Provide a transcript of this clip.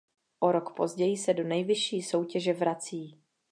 O rok později se do nejvyšší soutěže vrací.